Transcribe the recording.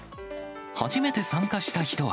初めて参加した人は。